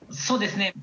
そうですね。